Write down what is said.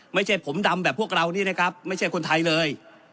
ไม่ใช่ผมดำแบบพวกเรานี่นะครับไม่ใช่คนไทยเลย